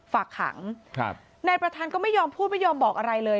ฝากขังครับนายประธานก็ไม่ยอมพูดไม่ยอมบอกอะไรเลย